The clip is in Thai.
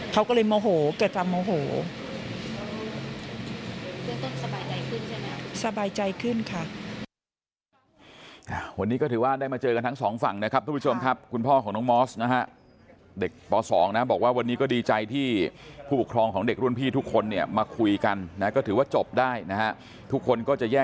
เขาก็เลยโมโหเกิดอันตรายโมโห